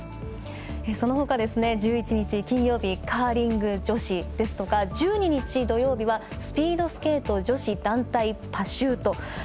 そのほか、１１日金曜日カーリング女子ですとか１２日土曜日はスピードスケート女子団体パシュート。